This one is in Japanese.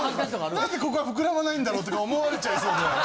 何でここは膨らまないんだろうとか思われちゃいそうで。